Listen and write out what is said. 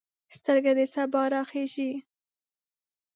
سترګه د سبا راخیژي